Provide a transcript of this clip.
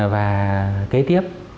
và kế tiếp